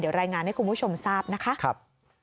เดี๋ยวรายงานให้คุณผู้ชมทราบนะคะ